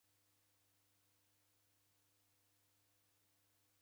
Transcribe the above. Daw'iashinga nyumba yedu rangi